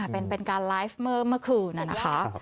เป็นการไลฟ์เมื่อเมื่อคืนนั่นนะคะ